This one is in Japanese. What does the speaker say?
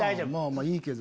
まぁいいけど。